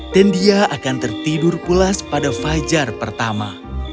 dan dia akan tertidur pulas pada fajar pertama